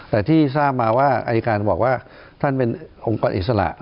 แต่ที่ทราบมาว่าอายการบอกว่าท่านเป็นองค์กรอิสระ